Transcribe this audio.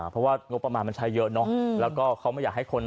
เพราะว่างบประมาณมันใช้เยอะเนอะแล้วก็เขาไม่อยากให้คน